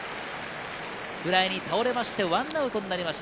フライに倒れまして１アウトです。